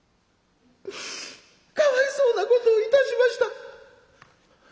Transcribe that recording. かわいそうなことをいたしました」。